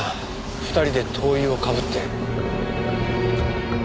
二人で灯油をかぶって。